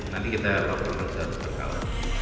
nanti kita pahamkan setiap hari